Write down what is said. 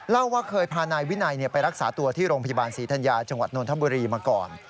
ว่าเคยพานายวินัยไปรักษาตัวที่โรงพยาบาลศรีธัญญาจังหวัดนทบุรีมาก่อน